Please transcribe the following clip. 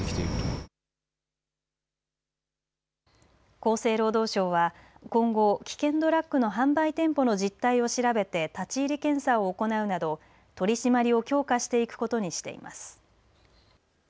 厚生労働省は今後、危険ドラッグの販売店舗の実態を調べて立ち入り検査を行うなど取締りを強化していくことにしています。